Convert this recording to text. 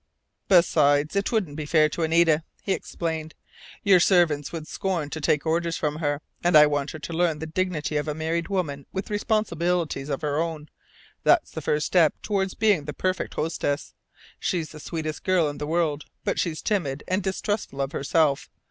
"Besides, it wouldn't be fair to Anita," he explained. "Your servants would scorn to take orders from her, and I want her to learn the dignity of a married woman with responsibilities of her own. That's the first step toward being the perfect hostess. She's the sweetest girl in the world, but she's timid and distrustful of herself.